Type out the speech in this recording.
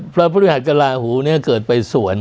พฤหัสกับลาหูเกิดไปส่วน